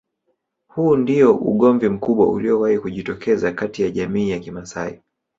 Huu ndio ugomvi mkubwa uliowahi kujitokeza kati ya jamii ya kimasai